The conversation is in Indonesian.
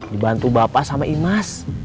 dibantu bapak sama imas